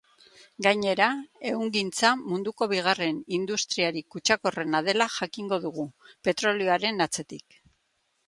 Gainera, ehungintza munduko bigarren industriarik kutsakorrena dela jakingo dugu, petrolioaren atzetik.